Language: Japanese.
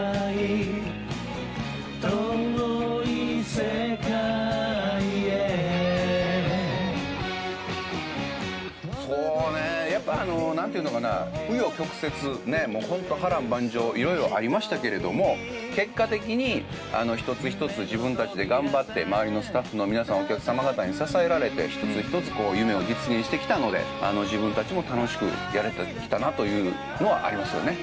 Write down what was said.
遠い世界へそうね、やっぱり、なんていうのかな、紆余曲折、ねぇ、もうほんと、波乱万丈、いろいろありましたけれども、結果的に１つ１つ、自分たちで頑張って、周りのスタッフの皆さん、お客様方に支えられて、１つ１つ、夢を実現してきたので、自分たちも楽しくやれてきたなというのはありますよね。